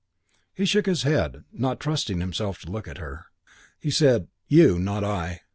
He shook his head, not trusting himself to look at her. He said, "You. Not I.